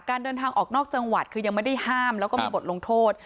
การเดินทางออกนอกจังหวัดคือยังไม่ได้ห้ามแล้วก็มีบทลงโทษ